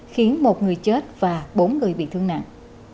khiến một người chết và bốn người bị thương nặng